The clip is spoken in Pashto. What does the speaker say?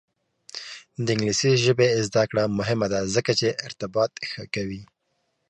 د انګلیسي ژبې زده کړه مهمه ده ځکه چې ارتباط ښه کوي.